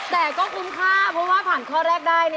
แต่ก็คุ้มค่าเพราะว่าผ่านข้อแรกได้